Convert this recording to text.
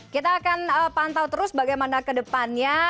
kita akan pantau terus bagaimana kedepannya